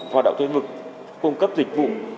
hoạt động cho đếm vực cung cấp dịch vụ